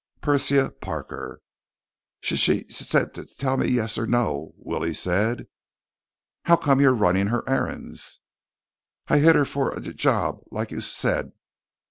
Persia Parker "S she s said to t tell me yes or n no," Willie said. "How come you're running her errands?" "I hit her for a j job, like you s said."